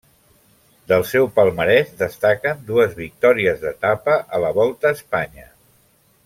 Del seu palmarès destaquen dues victòries d'etapa a la Volta a Espanya.